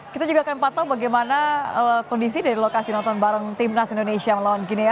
kita juga akan patuh bagaimana kondisi dari lokasi nonton bareng tim nasional indonesia yang melawan gini